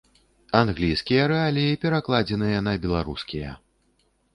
Англійскія рэаліі перакладзеныя на беларускія.